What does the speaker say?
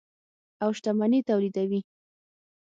او شتمني تولیدوي.